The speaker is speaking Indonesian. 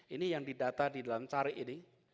ini yang didata di dalam cari ini